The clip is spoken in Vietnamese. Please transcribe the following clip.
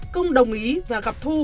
công đồng ý và gặp thu